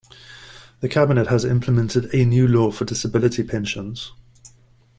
The cabinet has implemented a new law for disability pensions.